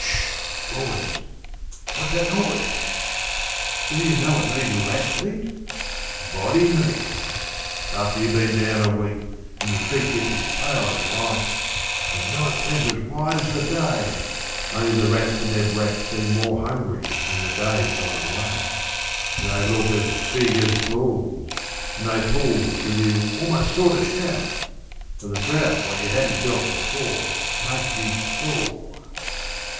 Ssh ! boys ; what's that noise ? Do you know what these rats eat ? Body meat ! After you've been down a week, an' your cheek Gets as pale as life, and night seems as white As the day, only the rats and their brats Seem more hungry when the day's gone away — An' they look as big as bulls, an' they pulls Till you almost sort o' shout — but the drought What you hadn't felt before makes you sore.